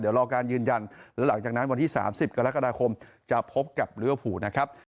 เดี๋ยวรอการยืนยันแล้วหลังจากนั้นวันที่๓๐กรกฎาคมจะพบกับลิเวอร์ภูนะครับ